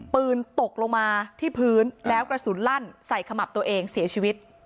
ปืนตกลงมาที่พื้นแล้วกระสุนลั่นใส่ขมับตัวเองเสียชีวิต